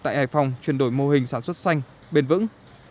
tại hải phòng chuyển đổi mô hình sản xuất xanh bền vững